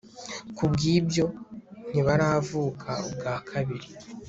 kubwibyo ntibaravuka ubwa kabiri